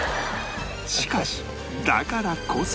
しかしだからこそ